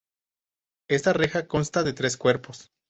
Esta reja consta de tres cuerpos.